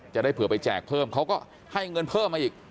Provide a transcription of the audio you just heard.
จะได้เผื่อไปแจกเพิ่มเขาก็ให้เงินเพิ่มมาอีก